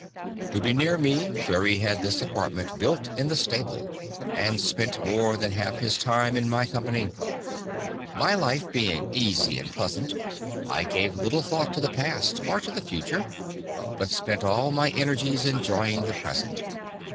"To be near me, Kerry had this apartment built in the stable and spent more than half of his time in my company. My life being easy and pleasant, I gave little thought to the past or to the future, but spent all my energies enjoying the present.